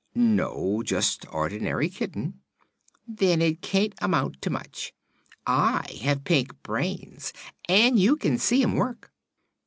"No; just ordinary kitten." "Then it can't amount to much. I have pink brains, and you can see 'em work."